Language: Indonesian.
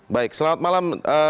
baik selamat malam